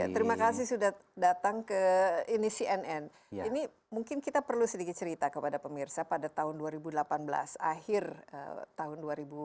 terima kasih sudah datang ke ini cnn ini mungkin kita perlu sedikit cerita kepada pemirsa pada tahun dua ribu delapan belas akhir tahun dua ribu delapan belas